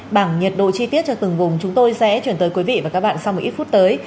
bảng nhiệt độ chi tiết cho từng vùng chúng tôi sẽ chuyển tới quý vị và các bạn sau một ít phút tới